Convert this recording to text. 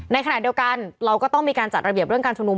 ในขณะเดียวกันเราก็ต้องมีการจัดระเบียบเรื่องการชุมนุม